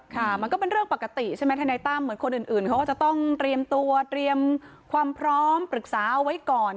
มันก็เป็นเรื่องปกติใช่ไหมทนายตั้มเหมือนคนอื่นเขาก็จะต้องเตรียมตัวเตรียมความพร้อมปรึกษาเอาไว้ก่อน